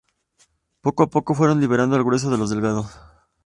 Poco a poco fueron liberando al grueso de los delegados.